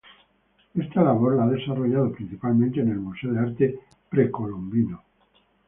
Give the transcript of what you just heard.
Esta labor la ha desarrollado principalmente en el Museo de Arte Precolombino.